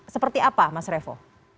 seperti apa mas revo